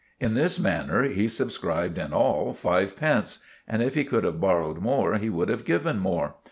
In this manner he subscribed in all fivepence; and if he could have borrowed more he would have given more.